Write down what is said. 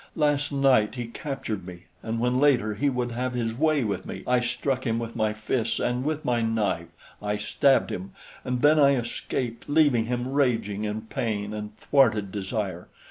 Last night he captured me, and when later he would have his way with me, I struck him with my fists and with my knife I stabbed him, and then I escaped, leaving him raging in pain and thwarted desire.